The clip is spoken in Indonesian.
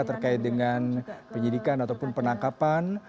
terkait dengan penyidikan ataupun penangkapan